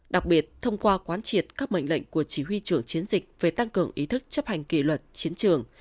đặc biệt thông qua quán triệt các mệnh lệnh của chỉ huy trưởng chiến dịch về tăng cường ý thức chấp hành kỳ luật chiến trường